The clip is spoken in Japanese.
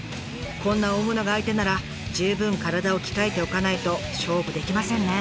こんな大物が相手なら十分体を鍛えておかないと勝負できませんね。